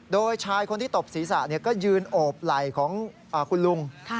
โดยชายคนที่ตบศีรษะก็ยืนโอบไหล่ของคุณลุง